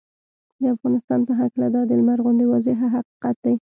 د افغانستان په هکله دا د لمر غوندې واضحه حقیقت دی